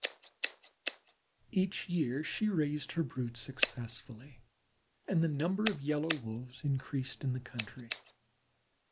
Each year she raised her brood successfully and the number of Yellow Wolves increased in the country.